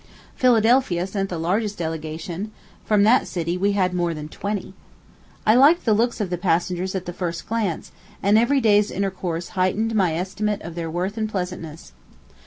Philadelphia sent the largest delegation; from that city we had more than twenty. I liked the looks of the passengers at the first glance, and every day's intercourse heightened my estimate of their worth and pleasantness.